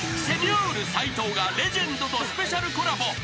［セニョール斎藤がレジェンドとスペシャルコラボ］